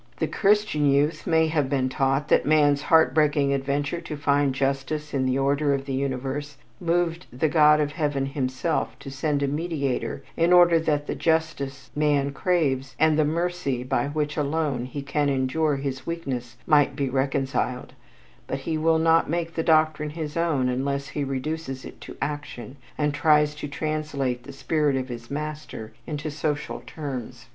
The Christian youth may have been taught that man's heartbreaking adventure to find justice in the order of the universe moved the God of Heaven himself to send a Mediator in order that the justice man craves and the mercy by which alone he can endure his weakness might be reconciled, but he will not make the doctrine his own until he reduces it to action and tries to translate the spirit of his Master into social terms.